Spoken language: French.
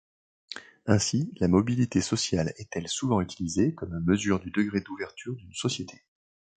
Ainsi, la mobilité sociale est-elle souvent utilisée comme mesure du degré d'ouverture d'une société.